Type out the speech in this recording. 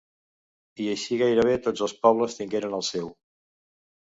I així gairebé tots els pobles tingueren el seu.